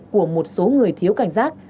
của một số người thiếu cảnh giác